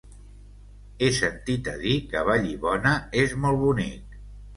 He sentit a dir que Vallibona és molt bonic.